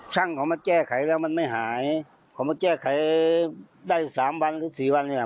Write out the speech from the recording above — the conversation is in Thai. ช่างของมันแจ้ไขแล้วมันไม่หายของมันแจ้ไขได้สามวันหรือสี่วันเนี้ย